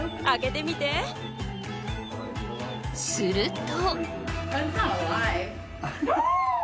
すると。